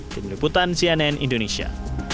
tim liputan cnn indonesia